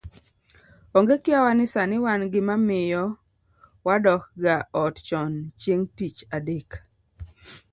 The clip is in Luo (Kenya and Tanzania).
Onge kiawa ni sani wan gi mamiyo wadokga ot chon chieng' tich adek